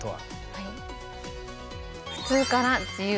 はい。